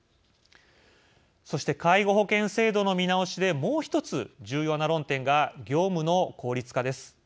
そして、介護保険制度の見直しでもう１つ重要な論点が業務の効率化です。